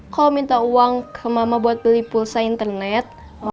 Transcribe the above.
kalau minta uang ke mama buat beli pulsa internet